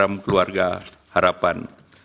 dan program keluarga harapan